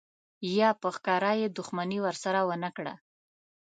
یا په ښکاره یې دښمني ورسره ونه کړه.